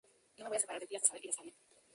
Él, finalmente, cumple su objetivo.